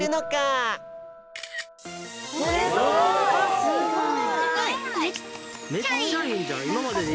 すごい！